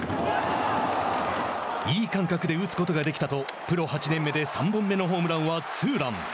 いい感覚で打つことができたとプロ８年目で３本のホームランはツーラン。